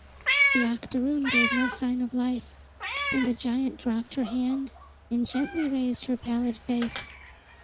The octoroon gave no sign of life, and the giant dropped her hand and gently raised her pallid face.